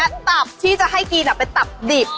แต่ตอนนี้ตับที่จะให้กินเป็นตับดิบ